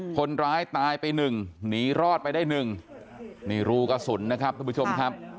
คนร้ายตายไปหนึ่งหนีรอดไปได้หนึ่งนี่รูกระสุนนะครับทุกผู้ชมครับ